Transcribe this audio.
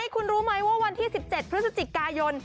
คุณรู้ไหมว่าวันที่๑๗พฤศจิกายน